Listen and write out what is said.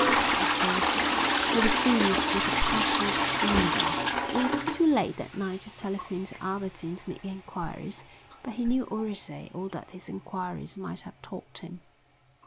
She had bolted. He was seized with a passion of anger. It was too late that night to telephone to Aberdeen and make enquiries, but he knew already all that his enquiries might have taught him.